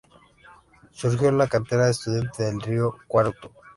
Surgió de la cantera Estudiantes de Río Cuarto.